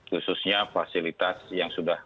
khususnya fasilitas yang sudah